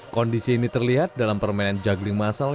kondisi ini terlihat dalam permainan juggling massal